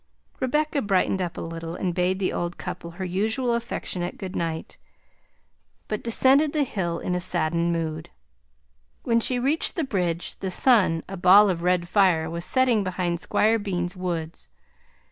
Rebecca brightened up a little and bade the old couple her usual affectionate good night, but she descended the hill in a saddened mood. When she reached the bridge the sun, a ball of red fire, was setting behind Squire Bean's woods.